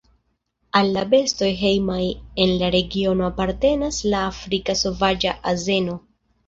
Al la bestoj hejmaj en la regiono apartenas la Afrika sovaĝa azeno.